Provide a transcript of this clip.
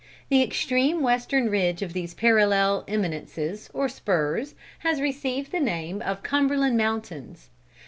The extreme western ridge of these parallel eminences or spurs, has received the name of the Cumberland mountains.